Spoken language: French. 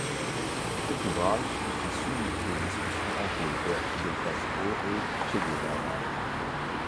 Cet ouvrage est issu de discussions entre l'auteur, Fidel Castro et Che Guevara.